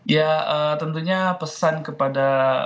ya tentunya pesan kepada